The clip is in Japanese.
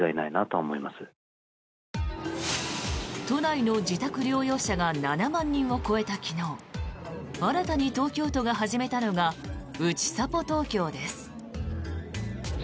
都内の自宅療養者が７万人を超えた昨日新たに東京都が始めたのがうちさぽ東京です。